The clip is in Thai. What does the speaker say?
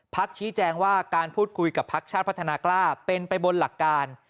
ชี้แจงว่าการพูดคุยกับพักชาติพัฒนากล้าเป็นไปบนหลักการ